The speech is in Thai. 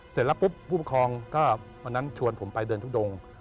เสร็จแล้วปุ๊บผู้ปกครองก็วันนั้นชวนผมไปเดินทุดง